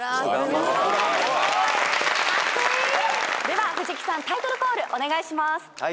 では藤木さんタイトルコールお願いします。